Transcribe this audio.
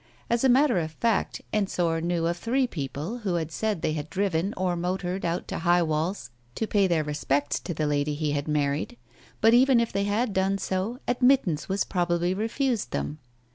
As a matter of fact, Ensor knew of three people who said they had driven or motored out to High Walls to pay their respects to the lady he had married, but even if they had done so, admittance was probably refused them.